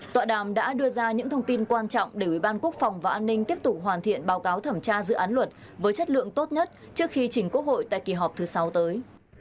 tọa đàm đã đưa ra những thông tin quan trọng để ủy ban quốc phòng và an ninh tiếp tục hoàn thiện báo cáo thẩm tra dự án luật với chất lượng tốt nhất trước khi chỉnh quốc hội tại kỳ họp thứ sáu tới